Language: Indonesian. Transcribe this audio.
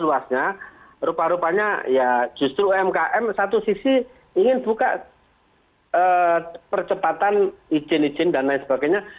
luasnya rupa rupanya ya justru umkm satu sisi ingin buka percepatan izin izin dan lain sebagainya